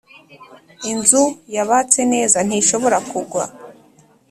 Inzu yabatse neza ntishobora kugwa